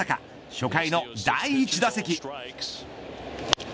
初回の第１打席。